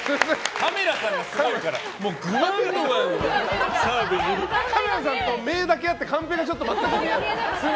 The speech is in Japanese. カメラさんと目だけ合ってカンペが全く見えない。